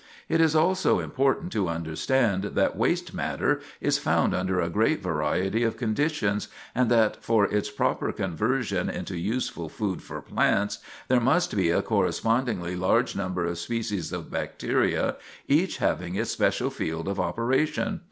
It is also important to understand that waste matter is found under a great variety of conditions, and that for its proper conversion into useful food for plants there must be a correspondingly large number of species of bacteria each having its special field of operation.